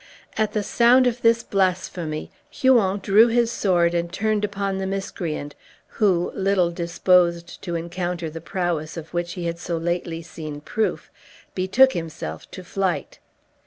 At the sound of this blasphemy Huon drew his sword and turned upon the miscreant, who, little disposed to encounter the prowess of which he had so lately seen proof, betook himself to flight.